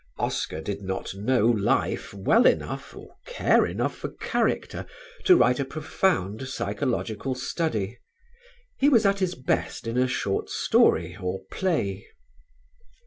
Oscar did not know life well enough or care enough for character to write a profound psychological study: he was at his best in a short story or play.